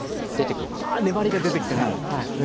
あ粘りが出てきてね。